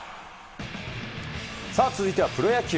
続いてはプロ野球。